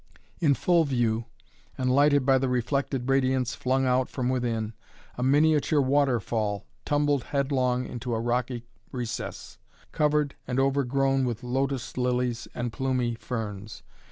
In full view, and lighted by the reflected radiance flung out from within, a miniature waterfall tumbled headlong into a rocky recess, covered and overgrown with lotus lilies and plumy ferns.